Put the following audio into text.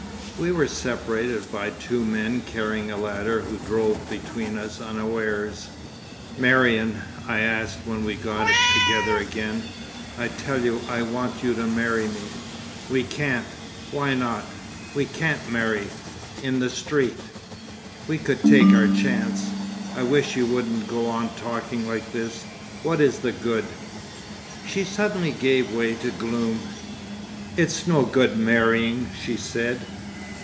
We were separated by two men carrying a ladder who drove between us unawares. "Marion," I asked when we got together again, "I tell you I want you to marry me." "We can't." "Why not?" "We can't marry—in the street." "We could take our chance!" "I wish you wouldn't go on talking like this. What is the good?" She suddenly gave way to gloom. "It's no good marrying" she said.